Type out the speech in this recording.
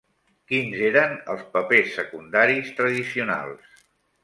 Quins eren els papers secundaris tradicionals?